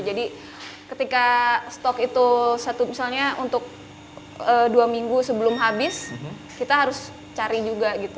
jadi ketika stok itu satu misalnya untuk dua minggu sebelum habis kita harus cari juga gitu